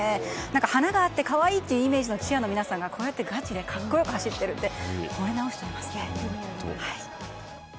華があって可愛いというイメージのチアの皆さんがこうやってガチで格好良く走るって惚れ直しちゃいますね。